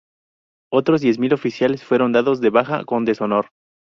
Otros diez mil oficiales fueron dados de baja con deshonor.